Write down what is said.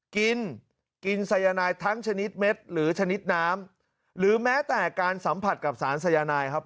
กินกินสายนายทั้งชนิดเม็ดหรือชนิดน้ำหรือแม้แต่การสัมผัสกับสารสายนายครับ